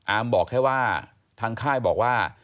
บอกแค่ว่าทางค่ายบอกว่า